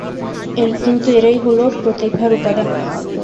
কিন্তু এরাই হল প্রতিভার উপাদান।